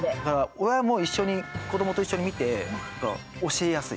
親も一緒に子どもと一緒に見て教えやすい。